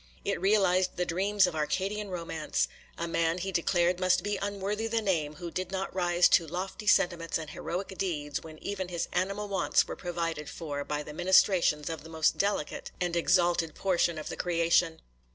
It realized the dreams of Arcadian romance. A man, he declared, must be unworthy the name, who did not rise to lofty sentiments and heroic deeds, when even his animal wants were provided for by the ministrations of the most delicate and exalted portion of the creation.